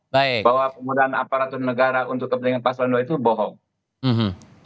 bahwa penggunaan aparatur negara untuk kepentingan pasal dua itu bohong